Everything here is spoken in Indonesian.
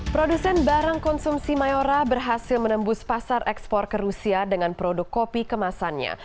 produsen barang konsumsi mayora berhasil menembus pasar ekspor ke rusia dengan produk kopi kemasannya